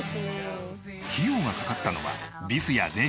費用がかかったのはビスやネジのみ。